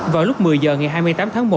vào lúc một mươi h ngày hai mươi tám tháng một